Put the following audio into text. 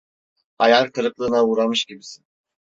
Hayal kırıklığına uğramış gibisin.